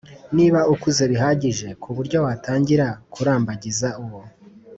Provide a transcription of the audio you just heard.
Niba ukuze bihagije ku buryo watangira kurambagiza uwo